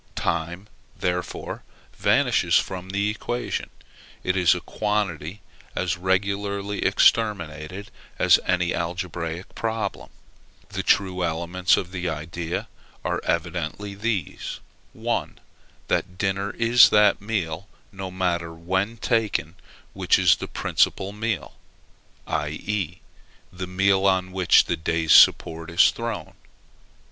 Time, therefore, vanishes from the equation: it is a quantity as regularly exterminated as in any algebraic problem. The true elements of the idea, are evidently these: 1. That dinner is that meal, no matter when taken, which is the principal meal; i.e. the meal on which the day's support is thrown.